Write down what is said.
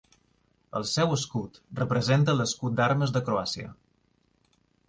El seu escut representa l'escut d'armes de Croàcia.